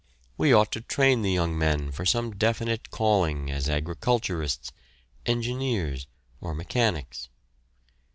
We ought to train the young men for some definite calling as agriculturists, engineers, or mechanics.